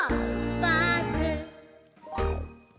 バス」